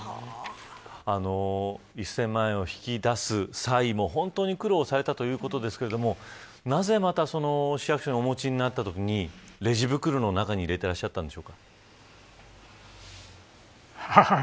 １０００万円を引き出す際も本当に苦労されたということですけれどもなぜまた市役所にお持ちになったときにレジ袋の中に入れてらっしゃったんでしょうか。